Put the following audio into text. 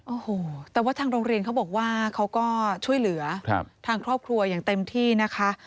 โอ้โหแต่ว่าทางโรงเรียนเขาบอกว่าเขาก็ช่วยเหลือทางครอบครัวอย่างเต็มที่นะคะ